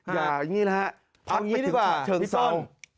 อย่างนี้นะครับพัดไปถึงเฉิงเสา